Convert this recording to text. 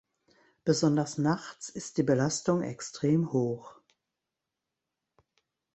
Besonders nachts ist die Belastung extrem hoch.